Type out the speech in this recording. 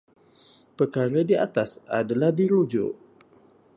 Perkara di atas adalah dirujuk.